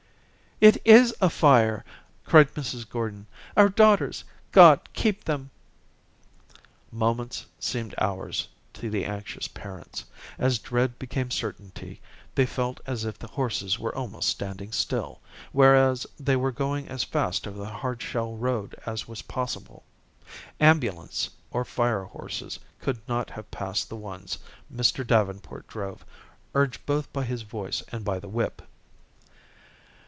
"It is a fire," cried Mrs. Gordon. "Our daughters God keep them." Moments seemed hours to the anxious parents. As dread became certainty, they felt as if the horses were almost standing still, whereas they were going as fast over the hard shell road as was possible. Ambulance or fire horses could not have passed the ones Mr. Davenport drove, urged both by his voice and by the whip.